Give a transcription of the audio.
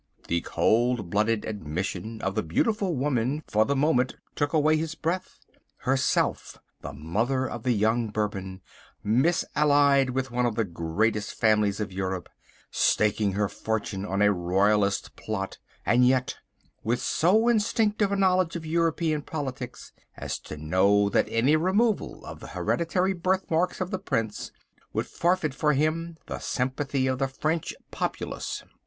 The cold blooded admission of the beautiful woman for the moment took away his breath! Herself the mother of the young Bourbon, misallied with one of the greatest families of Europe, staking her fortune on a Royalist plot, and yet with so instinctive a knowledge of European politics as to know that any removal of the hereditary birth marks of the Prince would forfeit for him the sympathy of the French populace.